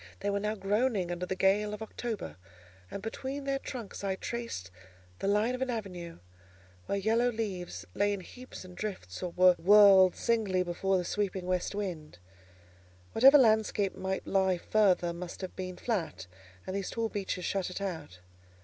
They were now groaning under the gale of October, and between their trunks I traced the line of an avenue, where yellow leaves lay in heaps and drifts, or were whirled singly before the sweeping west wind. Whatever landscape might lie further must have been flat, and these tall beeches shut it out.